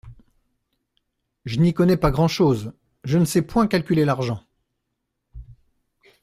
Je n’y connais pas grand’ chose : je ne sais point calculer l’argent.